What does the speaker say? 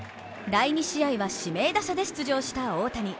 第２試合は指名打者で出場した大谷。